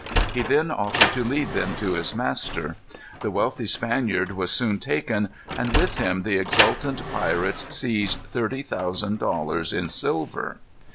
He then offered to lead them to his master. The wealthy Spaniard was soon taken, and with him the exultant pirates seized thirty thousand dollars in silver.